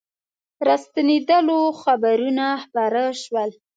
راستنېدلو خبرونه خپاره سول.